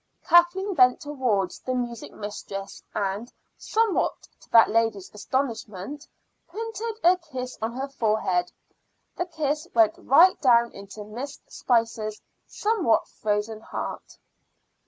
Kathleen bent towards the music mistress and, somewhat to that lady's astonishment, printed a kiss on her forehead. The kiss went right down into Miss Spicer's somewhat frozen heart.